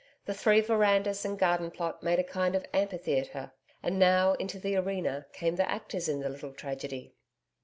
The three verandas and garden plot made a kind of amphitheatre; and now, into the arena, came the actors in the little tragedy.